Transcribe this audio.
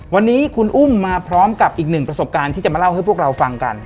วันนี้คุณอุ้มมาพร้อมกับอีกหนึ่งประสบการณ์ที่จะมาเล่าให้พวกเราฟังกัน